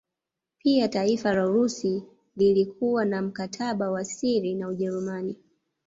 Pia taifa la Urusi lilikuwa na mkataba wa siri na Ujerumani